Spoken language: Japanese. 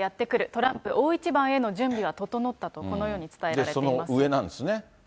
トランプ、大一番への準備は整ったと、このように伝えられています。